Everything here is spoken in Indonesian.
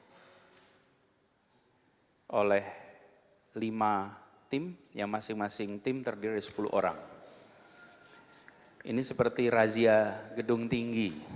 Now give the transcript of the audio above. hai oleh lima tim yang masing masing tim terdiri sepuluh orang ini seperti razia gedung tinggi